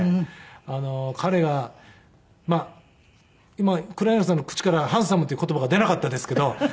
彼がまあ今黒柳さんの口からハンサムっていう言葉が出なかったですけど。